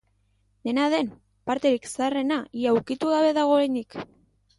Dena den, parterik zaharrena ia ukitu gabe dago oraindik.